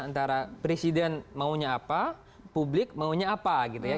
antara presiden maunya apa publik maunya apa gitu ya